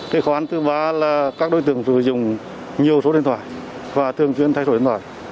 khó khăn thứ ba là các đối tượng sử dụng nhiều số điện thoại và thường chuyên thay số điện thoại